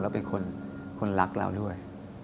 แล้วเป็นคนรักเราด้วย